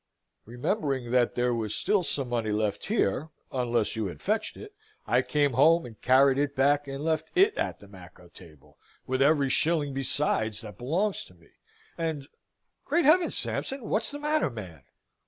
Remembering that there was still some money left here, unless you had fetched it, I came home and carried it back and left it at the macco table, with every shilling besides that belongs to me and great heaven, Sampson, what's the matter, man?"